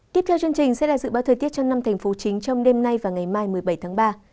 tiếp theo chương trình sẽ là dự báo thời tiết cho năm thành phố chính trong đêm nay và ngày mai một mươi bảy tháng ba